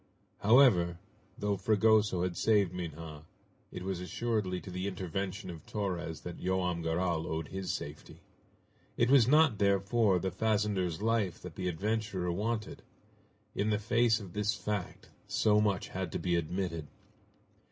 However, though Fragoso had saved Minha, it was assuredly to the intervention of Torres that Joam Garral owed his safety. It was not, therefore, the fazender's life that the adventurer wanted. In the face of this fact, so much had to be admitted.